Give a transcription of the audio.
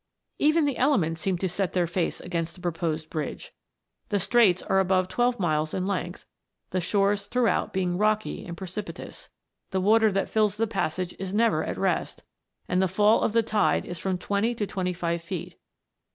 Even the elements seemed to set their face against the proposed bridge. The Straits are above twelve miles in length, the shores throughout being rocky and precipitous. The water that fills the passage is never at rest, and the fall of the tide is from twenty to twenty five feet.